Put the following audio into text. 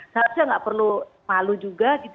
saya rasa nggak perlu malu juga